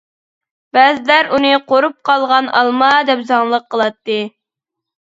بەزىلەر ئۇنى قۇرۇپ قالغان ئالما دەپ زاڭلىق قىلاتتى.